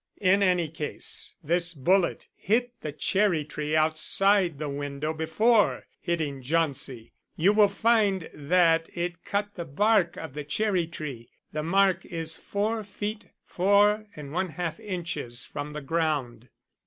In any case this bullet hit the cherry tree outside the window before hitting Jauncey. You will find that it cut the bark of the cherry tree the mark is 4 ft. 4½ inches from the ground."